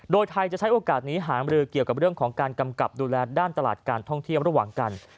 โดยไทยจะใช้โอกาสนี้หามรือเกี่ยวกับเรื่องของการกำกับดูแลด้านตลาดการท่องเที่ยวระหว่างกัน